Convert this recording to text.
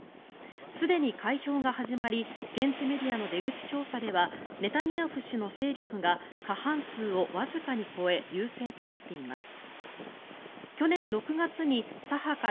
すでに開票が始まり現地メディアの出口調査ではネタニヤフ氏の勢力が過半数をわずかに超え優勢となっています。